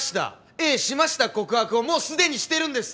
ええしました告白をもう既にしてるんです！